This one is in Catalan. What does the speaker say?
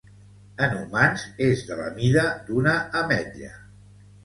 En humans és de la mida d'una ametlla.